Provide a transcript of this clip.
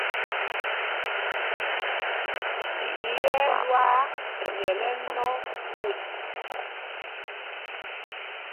Phī ɛ́ ɛ́ lwaa nyɛl ɛnɔ mus.